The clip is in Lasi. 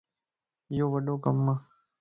يو وڏو ڪم ا